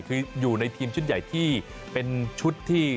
คืออยู่ในทีมชุดใหญ่ที่เป็นชุดที่